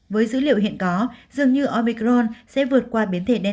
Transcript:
với dữ liệu hiện có dường như omicron sẽ vượt qua biến thể đen